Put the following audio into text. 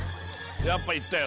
やっぱ行ったよ